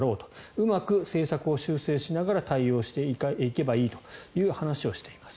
うまく政策を修正しながら対応していけばいいと話しています。